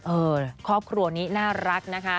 ครอบครัวนี้น่ารักนะคะ